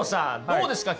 どうですか？